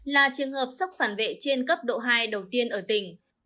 là trường hợp sốc phản vệ trên cấp độ hai đầu tiên ở tỉnh